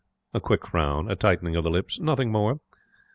A quick frown. A tightening of the lips. Nothing more.